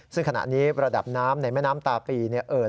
ซึ่งขณะนี้ระดับน้ำในแม่น้ำตาปีเอิญ